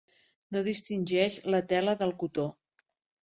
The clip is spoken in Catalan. No distingeix la tela del cotó.